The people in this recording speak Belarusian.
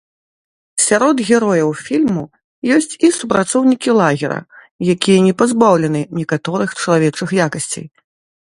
Сярод герояў фільму ёсць і супрацоўнікі лагера, якія не пазбаўлены некаторых чалавечых якасцей.